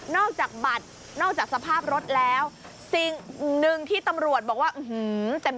จากบัตรนอกจากสภาพรถแล้วสิ่งหนึ่งที่ตำรวจบอกว่าอื้อหือเต็ม